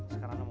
nah aku kenapa